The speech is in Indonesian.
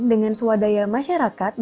dengan swadaya masyarakat dan